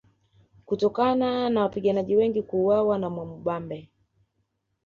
Kutokana na wapiganaji wengi kuuawa na Mwamubambe